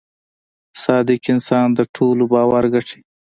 • صادق انسان د ټولو باور ګټي.